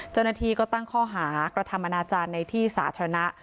เจ้าหน้าที่ก็ตั้งข้อหากระทำอนาจารย์ในที่สาธารณะ